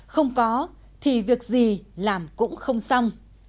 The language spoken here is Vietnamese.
không có thì việc gì làm cũng không xong